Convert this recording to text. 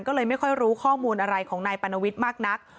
ก็เลยไม่ค่อยรู้ข้อมูลอะไรของนายปรณวิทย์มากนัก